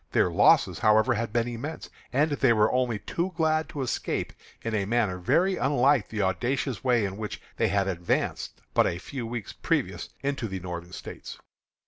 Their losses, however, had been immense, and they were only too glad to escape in a manner very unlike the audacious way in which they had advanced but a few weeks previous into the Northern States.